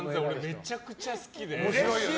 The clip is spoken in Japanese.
めちゃくちゃ好きで。